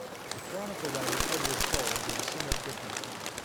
The chronicle writer Edward Hall gave a somewhat different account.